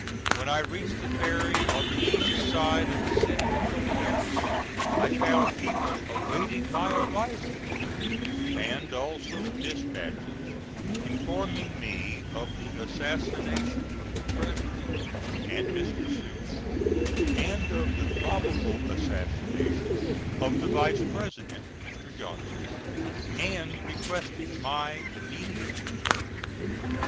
When I reached the ferry, on the east side of the City of Philadelphia, I found people awaiting my arrival there; and also dispatches informing me of the assassination of the President and Mr. Seward, and of the probable assassination of the Vice President, Mr. Johnson, and requesting my immediate return.